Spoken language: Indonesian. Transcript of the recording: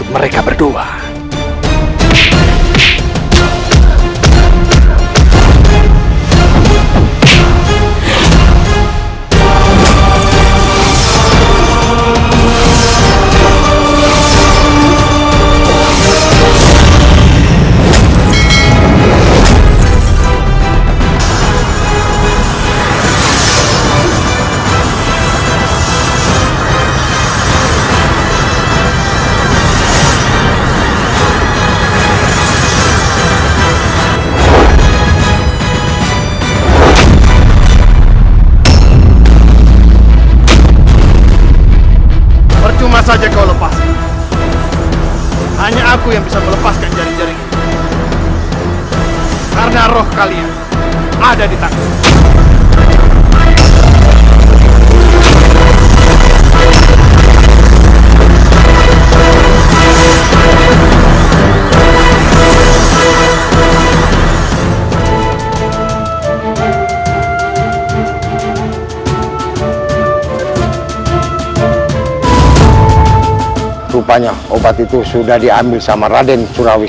mari ikut aku raden